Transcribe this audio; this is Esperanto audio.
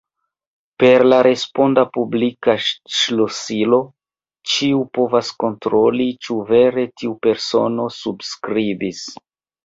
Per la responda publika ŝlosilo ĉiu povas kontroli, ĉu vere tiu persono subskribis.